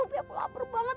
tapi aku lapar banget